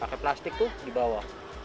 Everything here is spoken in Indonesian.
pakai plastik tuh dibawah